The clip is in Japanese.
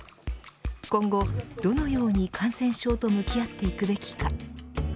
今後、どのように感染症と向き合っていくべきか。